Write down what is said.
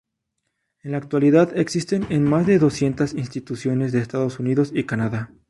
En la actualidad existen en más de doscientas instituciones de Estados Unidos y Canadá.